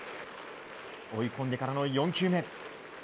追い込んでからの４球目。